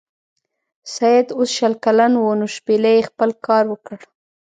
سید اوس شل کلن و نو شپیلۍ خپل کار وکړ.